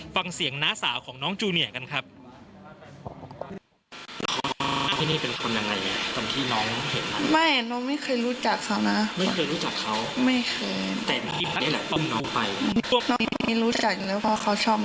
ฟังเสียงน้าสาวของน้องจูเนียกันครับ